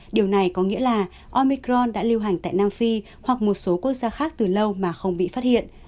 điều này có nghĩa là omicron đã lưu hành tại nam phi hoặc một số quốc gia khác từ lâu mà không bị phát hiện